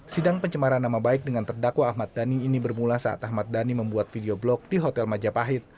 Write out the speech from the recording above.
sidang pencemaran nama baik dengan terdakwa ahmad dhani ini bermula saat ahmad dhani